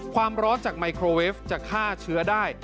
ความร้อนจากไมโครเวฟจะฆ่าเชื้อได้